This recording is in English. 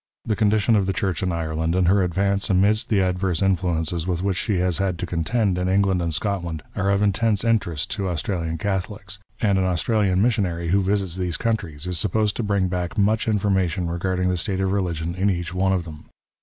The condi tion of the Church in Ireland, and her advance amidst the adverse influences with which she has to contend in England and Scotland, are of intense interest to Australian Catholics ; and an Australian missionary who visits these countries is supposed to bring back much information regarding the state of religion in each one of them.